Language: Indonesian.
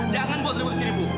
jangan buat ribu di sini bu